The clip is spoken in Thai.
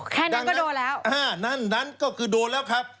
แค่นั้นก็โดนแล้วอ่านั่นนั้นก็คือโดนแล้วครับ